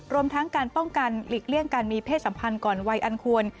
รวมทั้งการป้องกันหลีกเลี่ยงการมีเพศสัมพันธ์ก่อนวัยอันควร